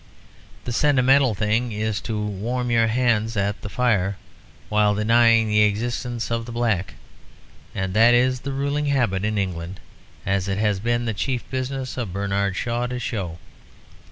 The sentimental thing is to warm your hands at the fire while denying the existence of the nigger, and that is the ruling habit in England, as it has been the chief business of Bernard Shaw to show.